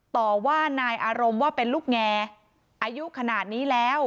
ต่อว่านายอารมณ์ว่าเป็นลูกแงอายุขนาดนี้แล้ว